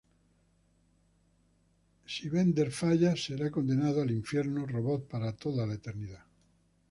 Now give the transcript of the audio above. Si Bender falla, será condenado al infierno robot para toda la eternidad.